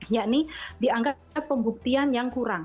yakni dianggap pembuktian yang kurang